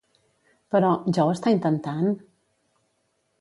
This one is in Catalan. Però, ja ho està intentant?